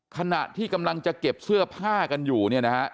ขณะที่กำลังจะเก็บเสื้อผ้ากันอยู่เนี่ยนะฮะ